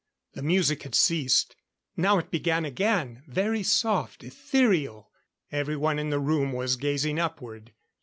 The music had ceased; now it began again, very soft, ethereal. Everyone in the room was gazing upward.